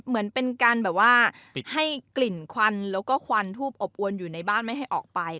เหมือนเป็นการแบบว่าให้กลิ่นควันแล้วก็ควันทูบอบอวนอยู่ในบ้านไม่ให้ออกไป